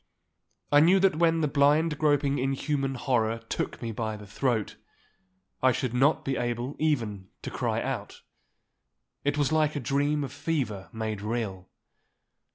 I knew that when the blind groping inhuman horror took me by the throat, I should not be able even to cry out. It was like a dream of fever made real.